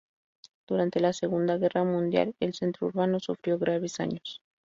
Durante la Segunda Guerra Mundial el centro urbano sufrió graves daños.